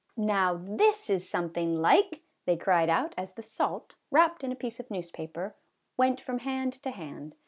" Now this is something like !" they cried out, as the salt, wrapped in a piece of newspaper, went from hand to hand.